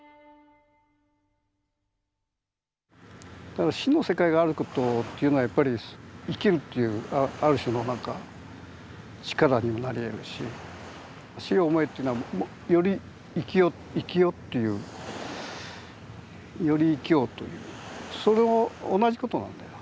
だから死の世界があることというのはやっぱり生きるっていうある種の何か力にもなりえるし「死を想え」っていうのはより生きよ生きよっていうより生きようというそれも同じことなんだよ。